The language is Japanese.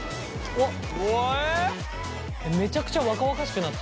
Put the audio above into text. めちゃくちゃ若々しくなった。